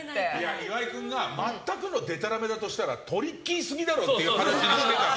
岩井君が全くのでたらめだとしたらトリッキーすぎだろって話してたの。